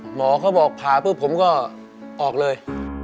หมอก็บอกผ่าเพื่อผมก็ออกเลย